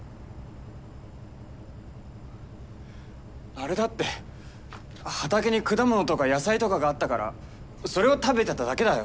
あれだって畑に果物とか野菜とかがあったからそれを食べただけだよ。